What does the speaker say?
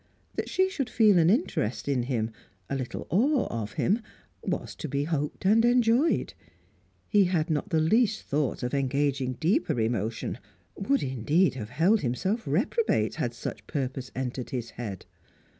That she should feel an interest in him, a little awe of him, was to be hoped and enjoyed: he had not the least thought of engaging deeper emotion would, indeed, have held himself reprobate had such purpose entered his head.